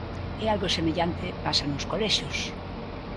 E algo semellante pasa nos colexios.